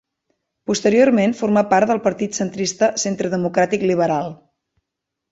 Posteriorment formà part del partit centrista Centre Democràtic Liberal.